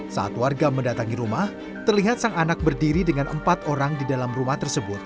saat warga mendatangi rumah terlihat sang anak berdiri dengan empat orang di dalam rumah tersebut